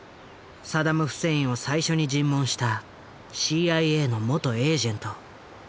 サダム・フセインを最初に尋問したＣＩＡの元エージェント。